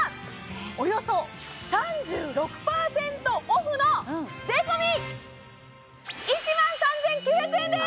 およそ３６％オフの税込１万３９００円です！